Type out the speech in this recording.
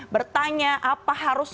bertanya apa harus